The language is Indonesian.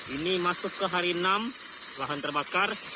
ini masuk ke hari enam lahan terbakar